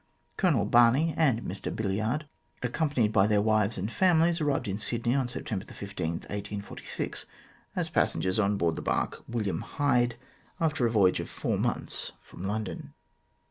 Colonel Barney and Mr Billyard, accompanied by their wives and families, arrived in Sydney on September 15, 1846, as passengers on board the barque William Hyde, after a voyage of four months from London.